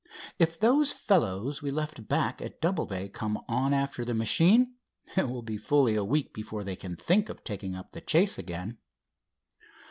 If those fellows we left back at Doubleday come on after the machine, it will be fully a week before they can think of taking up the chase again."